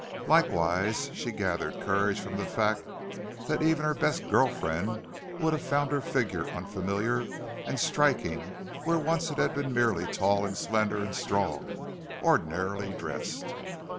Likewise she gathered courage from the fact that even her best girl friend would have found her figure unfamiliar and striking where once it had been merely tall and slender and strong, ordinarily dressed.